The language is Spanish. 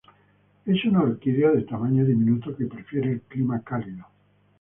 Es una orquídea de tamaño diminuto que prefiere el clima cálido.